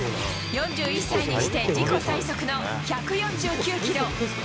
４１歳にして、自己最速の１４９キロ。